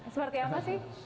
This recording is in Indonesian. seperti apa sih